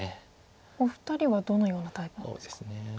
お二人はどのようなタイプなんですか？